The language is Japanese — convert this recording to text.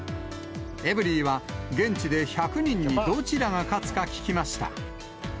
エブリィは、現地で１００人にどちらが勝つか聞きました。